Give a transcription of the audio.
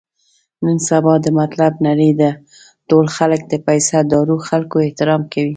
نن سبا د مطلب نړۍ ده، ټول خلک د پیسه دارو خلکو احترام کوي.